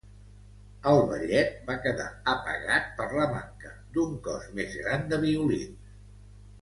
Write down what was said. El ballet va quedar apagat per la manca d'un c os més gran de violins.